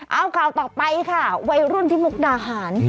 เอาข่าวต่อไปค่ะวัยรุ่นที่มุกดาหาร